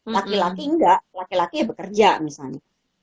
laki laki enggak laki laki ya bekerja misalnya